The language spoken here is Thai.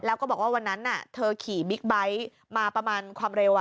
แล้วก็บอกว่าวันนั้นเธอขี่บิ๊กไบท์มาประมาณความเร็ว